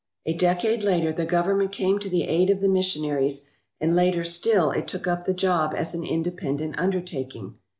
A decade later the Govern ment came to the aid of the missionaries; and later still it took up the job as an independent undertaking.